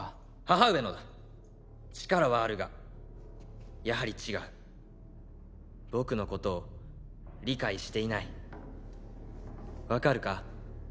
母上のだ力はあるがやはり違う僕のことを理解していない分かるか？